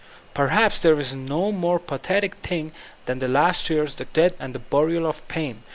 Perhaps there is no more pathetic thing than the last years, the death, and the burial of Paine.